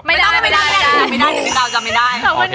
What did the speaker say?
ไม่ได้จำไม่ได้